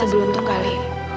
lebih beruntung kali